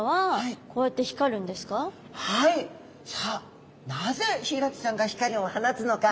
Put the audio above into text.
さあなぜヒイラギちゃんが光を放つのか。